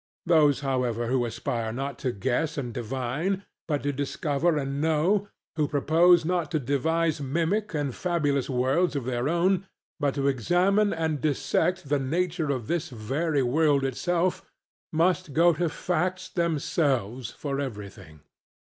Those however who aspire not to guess and divine, but to discover and know; who propose not to devise mimic and fabulous worlds of their own, but to examine and dissect the nature of this very world itself; must go to facts themselves for everything.